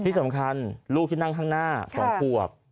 ที่สำคัญลูกที่นั่งข้างหน้า๒ขวบ